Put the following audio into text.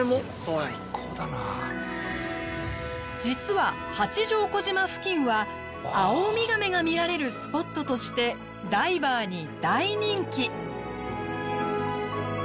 実は八丈小島付近はアオウミガメが見られるスポットとしてダイバーに大人気。